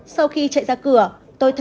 sau khi chạy ra cửa tôi thấy